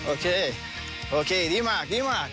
โอเคโอเคดีมากดีมาก